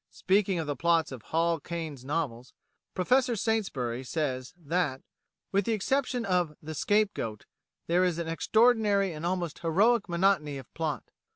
Speaking of the plots of Hall Caine's novels, Professor Saintsbury says that, "with the exception of 'The Scapegoat,' there is an extraordinary and almost heroic monotony of plot.